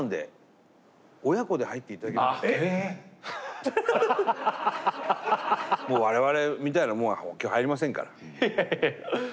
ええ⁉我々みたいな者は今日入りませんから。